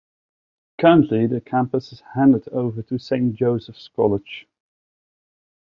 Currently, the campus is handed over to Saint Joseph's College.